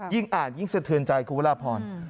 ยิ่งอ่านยิ่งสะเทินใจครัวครัวล่าพร